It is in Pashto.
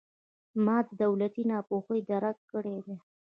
ما د ټولنې ناپوهي درک کړې ده.